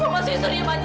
mas wisnu diam aja